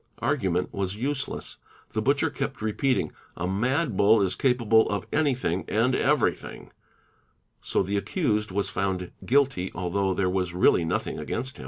Argument was useless; the butcher kept repeating, ''A mad bull is capable of anything and everything''; so the accused was found guilty although : there was really nothing against him.